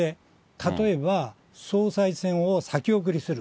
例えば、総裁選を先送りする。